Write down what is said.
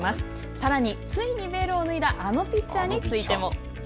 さらに、ついにベールを脱いだあのピッチャーについても。